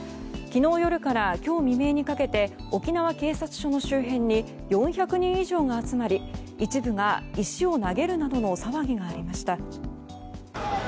昨日夜から今日未明にかけて沖縄警察署の周辺に４００人以上が集まり一部が石を投げるなどの騒ぎがありました。